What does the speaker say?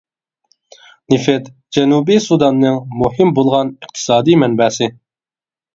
نېفىت جەنۇبىي سۇداننىڭ مۇھىم بولغان ئىقتىسادىي مەنبەسى.